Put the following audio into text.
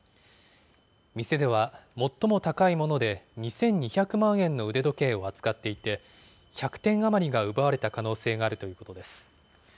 店では、最も高いもので２２００万円の腕時計を扱っていて、１００点余りが奪われた可能性があるということです。